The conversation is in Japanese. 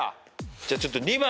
じゃあちょっと２番。